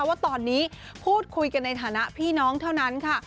ว่าตอนนี้พูดคุยกันในฐานะพี่น้องเท่านั้นค่ะ